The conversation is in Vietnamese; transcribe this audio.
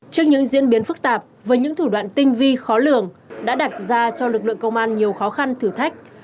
trước những diễn biến phức tạp với những thủ đoạn tinh vi khó lường đã đặt ra cho lực lượng công an nhiều khó khăn thử thách